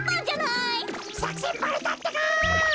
さくせんばれたってか。